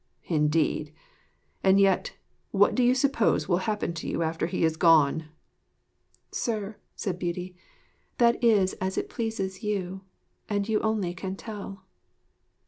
'Indeed? And yet what do you suppose will happen to you after he has gone?' 'Sir,' said Beauty, 'that is as it pleases you, and you only can tell.'